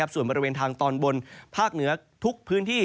ส่วนบริเวณทางตอนบนภาคเหนือทุกพื้นที่